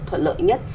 thuận lợi nhất